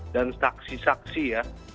dan saksi saksi ya